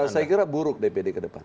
saya kira buruk dpd ke depan